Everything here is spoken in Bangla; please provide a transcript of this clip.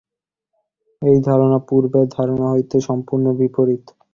এই ধারণা পূর্বের ধারণা হইতে সম্পূর্ণ বিপরীত।